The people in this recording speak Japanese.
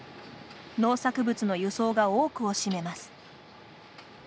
農作物の輸送が多くを占めます。